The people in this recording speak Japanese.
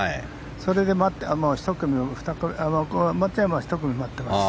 それで松山は１組待ってます。